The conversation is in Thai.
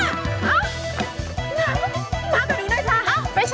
เห็นคนขายลอตเตอรี่ต้องไหมจ๊ะ